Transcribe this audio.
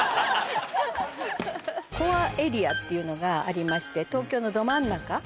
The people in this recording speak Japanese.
コア・エリアっていうのがありまして東京のど真ん中。